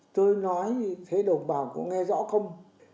tôi nói thế đồng bào có nghe rõ không